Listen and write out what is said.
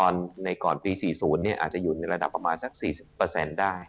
ในก่อนปี๔๐อาจจะอยู่ในระดับประมาณสัก๔๐ได้